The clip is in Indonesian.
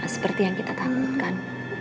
seperti yang kita takutkan